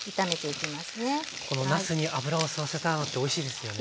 このなすに脂を吸わせたのがおいしいですよね。